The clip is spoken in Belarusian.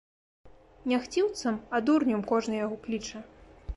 Не хціўцам, а дурнем кожны яго кліча.